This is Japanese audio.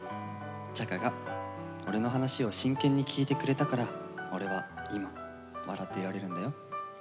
「ちゃかが俺の話を真剣に聞いてくれたから俺は今笑っていられるんだよ。